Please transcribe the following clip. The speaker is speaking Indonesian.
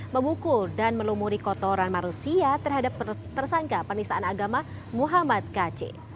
memukul dan melumuri kotoran manusia terhadap tersangka penistaan agama muhammad kc